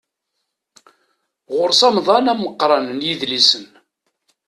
Ɣur-s amḍan ameqqran n yidlisen.